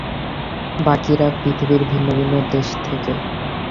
বাকিরা, পৃথিবীর ভিন্ন-ভিন্ন দেশ থেকে।